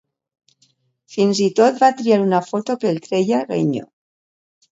Fins i tot va triar una foto que el treia guenyo.